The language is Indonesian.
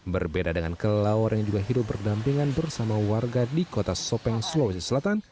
berbeda dengan kelelawar yang juga hidup berdampingan bersama warga di kota sopeng sulawesi selatan